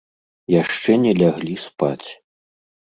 Яшчэ не ляглі спаць.